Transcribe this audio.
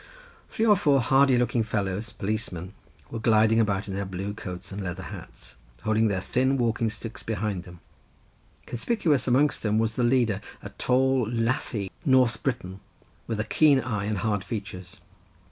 Three or four hardy looking fellows, policemen, were gliding about in their blue coats and leather hats, holding their thin walking sticks behind them; conspicuous amongst whom was the leader, a tall lathy North Briton with a keen eye and hard features.